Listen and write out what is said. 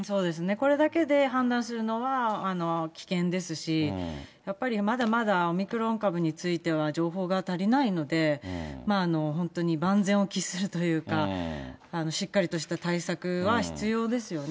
これだけで判断するのは危険ですし、やっぱりまだまだオミクロン株については、情報が足りないので、本当に万全を期するというか、しっかりとした対策は必要ですよね。